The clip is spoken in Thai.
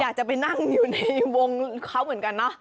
อยากจะไปนั่งอยู่ในวงเขาเหมือนกันเนอะ